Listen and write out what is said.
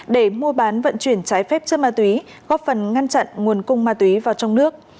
để mua bán vận chuyển trái phép chất ma túy góp phần ngăn chặn nguồn cung ma túy vào trong nước